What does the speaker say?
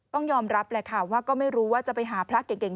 ยอมรับแหละค่ะว่าก็ไม่รู้ว่าจะไปหาพระเก่ง